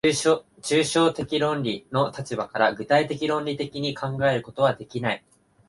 抽象的論理の立場から具体的論理的に考えることはできない。